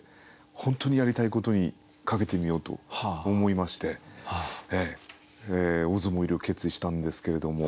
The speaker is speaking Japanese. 本当にやりたいことにかけてみようと思いまして大相撲入りを決意したんですけれども。